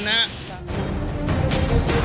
สถานการณ์ข้อมูล